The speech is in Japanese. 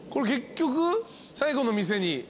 結局最後の店に？